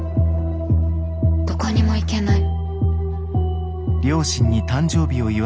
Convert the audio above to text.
どこにも行けない。